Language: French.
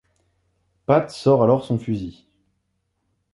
Pat sort alors son fusil.